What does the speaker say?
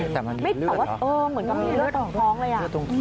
แต่เหมือนมีเลือดตรงท้องเลย